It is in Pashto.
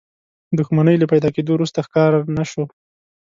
دښمنۍ له پيدا کېدو وروسته ښکار نه شو.